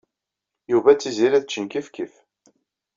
Yuba d Tiziri ad ččen kifkif.